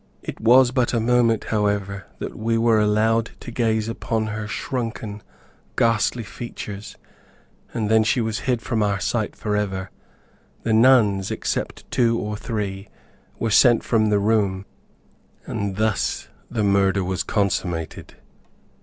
It was but a moment, however, that we were allowed to gaze upon her shrunken ghastly features, and then she was hid from our sight forever. The nuns, except two or three, were sent from the room, and thus the murder was consummated.